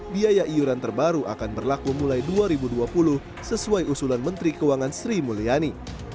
biaya iuran terbaru akan berlaku mulai dua ribu dua puluh sesuai usulan menteri keuangan sri mulyani